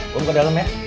gue buka dalam ya